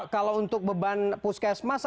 kalau untuk beban puskesmas